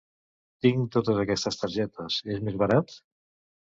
Tinc totes aquestes targetes, és més barat?